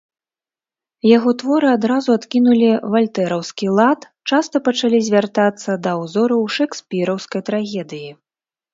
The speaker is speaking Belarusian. Яго творы адразу адкінулі вальтэраўскі лад, часта пачалі звяртацца да ўзораў шэкспіраўскай трагедыі.